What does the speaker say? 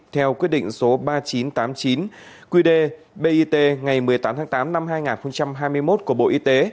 theo quyết định số ba nghìn chín trăm tám mươi chín qd bit ngày một mươi tám tháng tám năm hai nghìn hai mươi một của bộ y tế